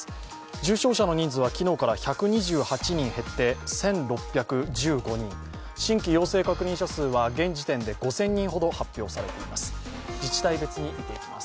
重症者の人数は昨日から１２８人減って１６１５人、新規陽性確認者数は現時点で５０００人ほど発表されています。